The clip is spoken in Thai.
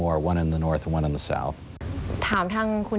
เราต้องดูช่วงจะของ